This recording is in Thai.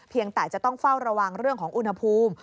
แต่จะต้องเฝ้าระวังเรื่องของอุณหภูมิ